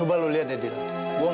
masih ntar main